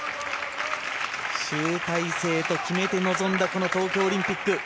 集大成と決めて臨んだこの東京オリンピック。